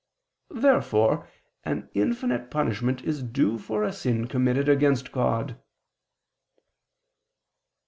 Therefore an infinite punishment is due for a sin committed against God.